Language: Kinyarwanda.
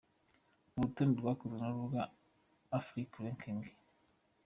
Ni urutonde rwakozwe n’urubuga Afica Ranking.